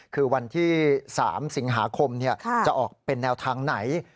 คือวันที่๓สิงหาคมจะออกเป็นแนวทางไหน